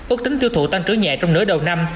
ước tính tiêu thụ tăng trưởng nhẹ trong nửa đầu năm